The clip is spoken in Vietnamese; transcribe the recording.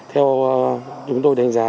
theo chúng tôi đánh giá